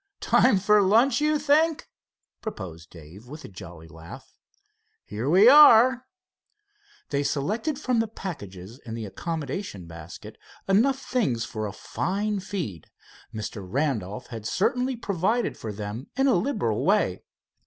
"Time for lunch, you think?" proposed Dave with a jolly laugh. "Here we are." They selected from the packages in the accommodation basket enough things for a feed. Mr. Randolph had certainly provided for them in a liberal way.